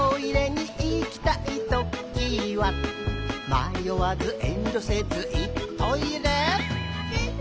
「まよわずえんりょせず言っトイレ」「先生！